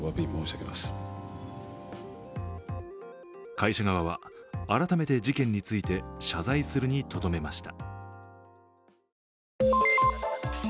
会社側は改めて事件について謝罪するにとどめました。